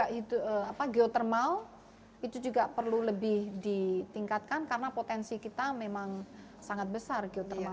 karena geotermal itu juga perlu lebih ditingkatkan karena potensi kita memang sangat besar geotermal